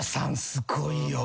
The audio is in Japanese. すごいよ。